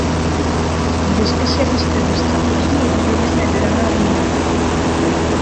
Il est spécialiste de stratégie et du domaine de la marine.